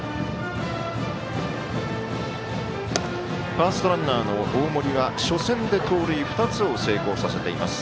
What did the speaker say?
ファーストランナーの大森初戦で盗塁２つを成功させています。